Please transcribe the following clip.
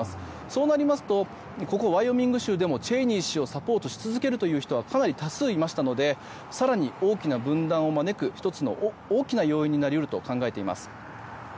そうなりますと、ここワイオミング州でもチェイニー氏をサポートし続けるという人はかなり多数いましたので更に大きな分断を招く１つの大きな要因になり得ると考えられます。